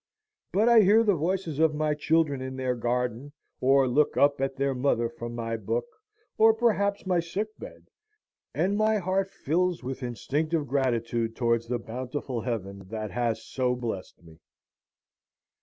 But I hear the voices of my children in their garden, or look up at their mother from my book, or perhaps my sick bed, and my heart fills with instinctive gratitude towards the bountiful Heaven that has so blest me.